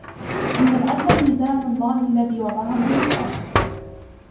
إنَّ الْعَدْلَ مِيزَانُ اللَّهِ الَّذِي وَضَعَهُ لِلْخَلْقِ